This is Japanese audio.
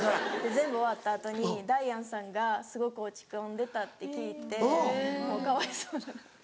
全部終わった後にダイアンさんがすごく落ち込んでたって聞いてかわいそうだなって。